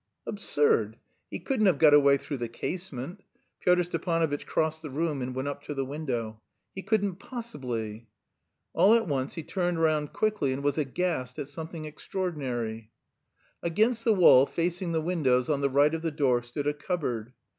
"Absurd! He couldn't have got away through the casement." Pyotr Stepanovitch crossed the room and went up to the window. "He couldn't possibly." All at once he turned round quickly and was aghast at something extraordinary. Against the wall facing the windows on the right of the door stood a cupboard.